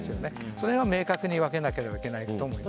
それは明確に分けなければいけないと思います。